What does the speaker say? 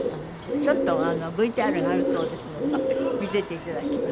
ちょっとＶＴＲがあるそうですので見せていただきます。